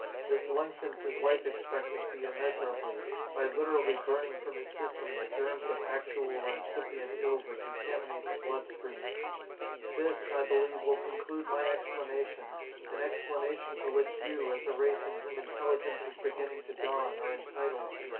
This lengthens his life expectancy immeasurably, by literally burning from his system the germs of actual or incipient ills that contaminate the blood stream. "This, I believe, will conclude my explanation, an explanation to which you, as a race in whom intelligence is beginning to dawn, are entitled.